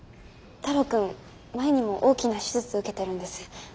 太郎君前にも大きな手術受けてるんです事故で。